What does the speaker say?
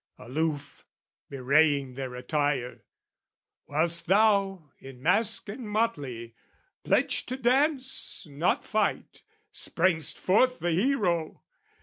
Aloof, bewraying their attire: whilst thou In mask and motley, pledged to dance not fight, Sprang'st forth the hero!